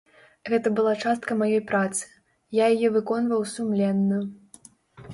Гэта была частка маёй працы, я яе выконваў сумленна.